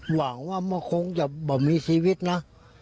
หวังว่ามันคงจะมีชีวิตนะ